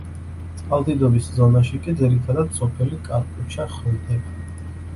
წყალდიდობის ზონაში კი ძირითადად სოფელი კარკუჩა ხვდება.